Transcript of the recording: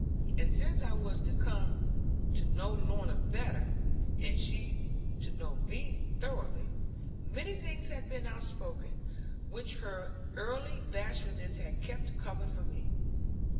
And since I was come to know Lorna better, and she to know me thoroughly many things had been outspoken, which her early bashfulness had kept covered from me.